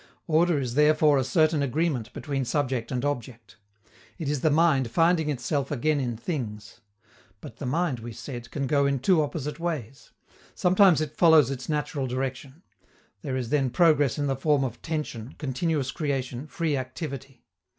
Order is therefore a certain agreement between subject and object. It is the mind finding itself again in things. But the mind, we said, can go in two opposite ways. Sometimes it follows its natural direction: there is then progress in the form of tension, continuous creation, free activity.